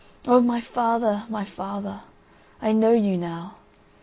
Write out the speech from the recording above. … O, my father, my father, I know you now.